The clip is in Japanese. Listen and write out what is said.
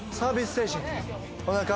精神おなか？